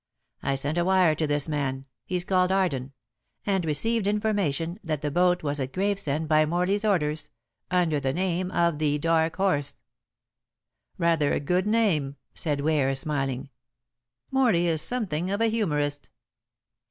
I sent a wire to this man he's called Arden and received information that the boat was at Gravesend by Morley's orders, under the name of The Dark Horse." "Rather a good name," said Ware, smiling. "Morley is something of a humorist."